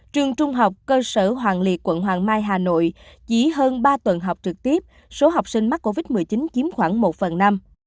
trường trung học cơ sở hoàng liệt quận hoàng mai hà nội chỉ hơn ba tuần học trực tiếp số học sinh mắc covid một mươi chín chiếm khoảng một phần năm